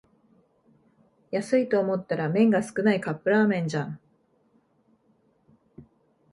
安いと思ったら麺が少ないカップラーメンじゃん